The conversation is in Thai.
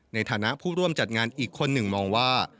ในฐานะผู้ร่วมจัดงานอีกคนหนึ่งมองว่า